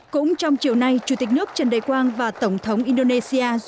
cũng trong chiều nay chủ tịch nước trần đại quang và tổng thống indonesia